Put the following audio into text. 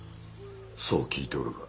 そう聞いておるが。